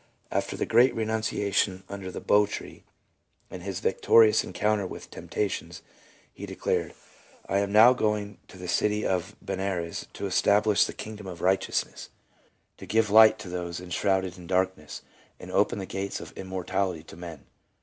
After the Great Renunciation under the Bow tree and his victorious en counter with temptations, he declared, " I am now going to the city of Benares to establish the kingdom of righteousness, 316 LEUBA : to give light to those enshrouded in darkness, and open the gates of immortality to men.